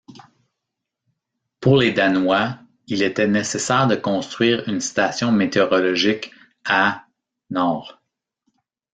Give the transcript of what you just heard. Pour les Danois, il était nécessaire de construire une station météorologique à Nord.